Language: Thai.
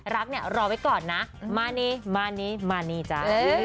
รักเนี่ยรอไว้ก่อนนะมานี้จ๊ะ